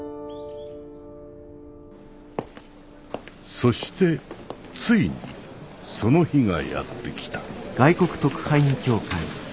そしてついにその日がやって来た。